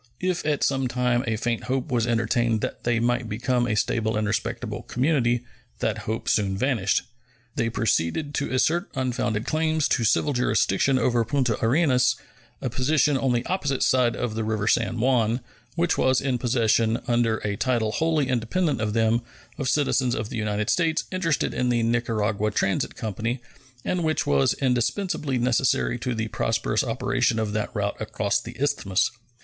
If at some time a faint hope was entertained that they might become a stable and respectable community, that hope soon vanished. They proceeded to assert unfounded claims to civil jurisdiction over Punta Arenas, a position on the opposite side of the river San Juan, which was in possession, under a title wholly independent of them, of citizens of the United States interested in the Nicaragua Transit Company, and which was indispensably necessary to the prosperous operation of that route across the Isthmus.